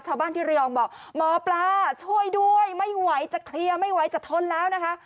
ชาวบ้านที่ระยองบอกหมอปลาช่วยด้วยไม่ไหวจะเคลียร์ไม่ไหวจะทนแล้วนะคะ